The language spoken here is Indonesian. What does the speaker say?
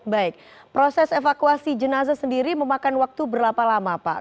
baik proses evakuasi jenazah sendiri memakan waktu berapa lama pak